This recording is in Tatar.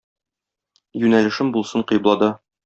Юнәлешем булсын кыйблада.